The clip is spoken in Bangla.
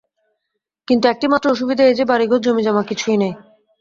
কিন্তু একটি মাত্র অসুবিধা এই যে, বাড়িঘর জমিজমা কিছুই নাই।